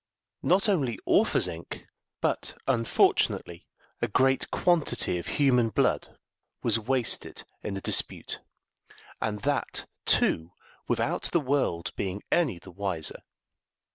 Not only authors' ink, but, unfortunately, a great quantity of human blood was wasted in the dispute, and that, too, without the world being any the wiser.